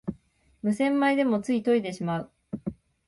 無洗米でもつい研いでしまう